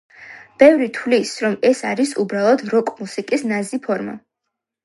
ბევრი თვლის, რომ ეს არის უბრალოდ როკ-მუსიკის ნაზი ფორმა.